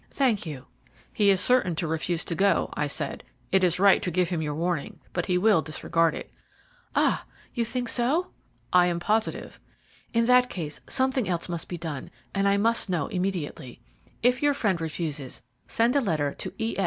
"Thank you." "He is certain to refuse to go," I said. "It is right to give him your warning, but he will disregard it." "Ah! you think so?" "I am positive." "In that case something else must be done, and I must know immediately. If your friend refuses, send a letter to E.